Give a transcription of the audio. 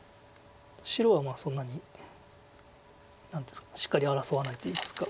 白はそんなに何ですかしっかり争わないといいますか。